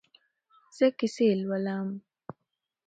زه کیسې لولم